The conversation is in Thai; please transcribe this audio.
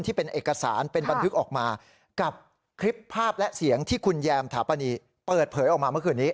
ที่เป็นเอกสารเป็นบันทึกออกมากับคลิปภาพและเสียงที่คุณแยมถาปนีเปิดเผยออกมาเมื่อคืนนี้